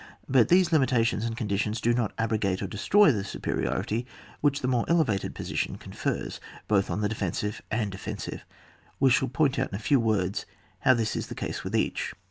But these limitations and conditions do not abrogate or de stroy the superiority which the more elevated position confers, both on the defensive and offensive. "We shall point out, in a few words, how this is the case with each.